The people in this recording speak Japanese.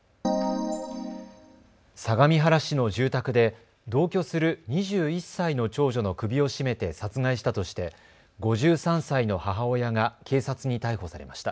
相模原市の住宅で同居する２１歳の長女の首を絞めて殺害したとして５３歳の母親が警察に逮捕されました。